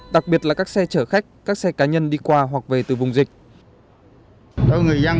đặc biệt là các xe chở khách các xe cá nhân đi qua hoặc về từ vùng dịch